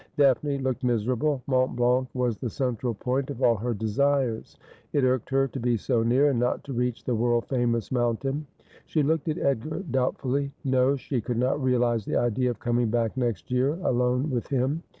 Daphne looked miserable. Mont Blanc was the central point of all her desires. It irked her to be so near and not to reach the world famous mountain. She looked at Edgar doubt fully. No ; she could not reali&e the idea of coming back next year, alone with him.